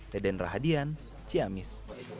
deden rahadian ciamis